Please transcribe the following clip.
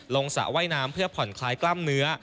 สระว่ายน้ำเพื่อผ่อนคลายกล้ามเนื้อ